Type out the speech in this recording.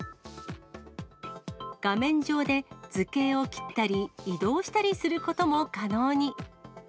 画面上で図形を切ったり、移動したりすることも可能に。